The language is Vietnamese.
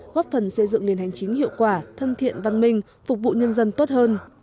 góp phần xây dựng nền hành chính hiệu quả thân thiện văn minh phục vụ nhân dân tốt hơn